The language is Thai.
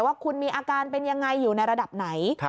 ว่าคุณมีอาการเป็นยังไงอยู่ในระดับไหน